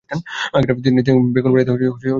তিনি বেগুনবাড়ীতে চা বাগান করেছিলেন।